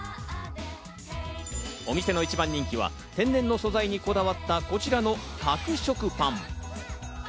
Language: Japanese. お店の一番人気は天然の素材にこだわった、こちらの角食パン。